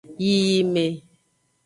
Yiyime.